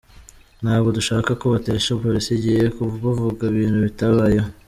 Ntabwo dushaka ko batesha polisi igihe bavuga ibintu bitabayeho.